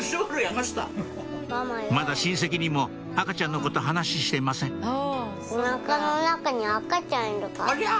まだ親戚にも赤ちゃんのこと話してませんありゃ！